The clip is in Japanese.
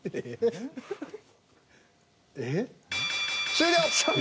終了。